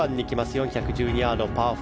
４１２ヤードのパー４。